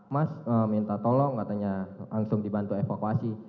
mas minta tolong katanya langsung dibantu evakuasi